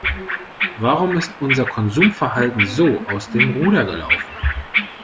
Warum ist unser Konsumverhalten so aus dem Ruder gelaufen?